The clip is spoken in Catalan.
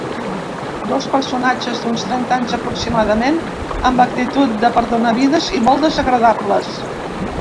Dos personatges, d’uns trenta anys aproximadament, amb actitud de perdonavides i molt desagradables.